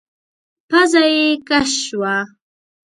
پزه يې کش شوه.